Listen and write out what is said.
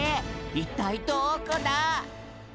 いったいどこだ？